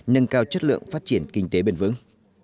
nâng cao chất lượng phát triển kinh tế bền vững